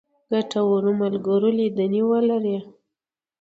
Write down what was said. ګټورو ملګرو لیدنې ولرئ.